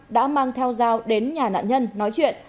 đã mang theo dao đến nhà nạn nhân nói chuyện